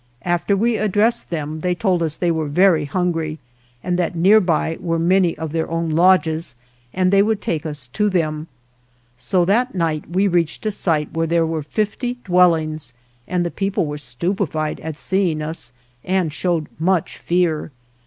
After we addressed them 115 THE JOURNEY OF they told us they were very hungry and that nearby were many of their own lodges, and they would take us to them. So that night we reached a site where there were fifty dwellings, and the people were stupefied at seeing us and showed much fear.